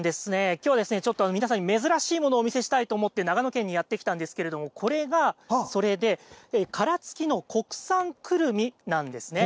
きょうはちょっと皆さんに珍しいものをお見せしたいと思って、長野県にやって来たんですけれども、これがそれで、殻付きの国産くるみなんですね。